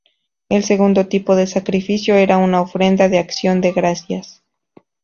El segundo tipo de sacrificio era una ofrenda de acción de gracias.